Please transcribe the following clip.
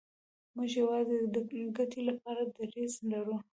موږ یوازې د ګټې لپاره دریځ لرو.